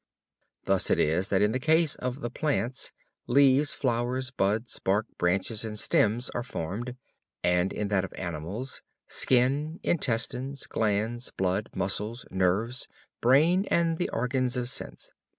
Thus it is that in the case of the plants leaves, flowers, buds, bark, branches and stems are formed, and in that of animals skin, intestines, glands, blood, muscles, nerves, brain and the organs of sense.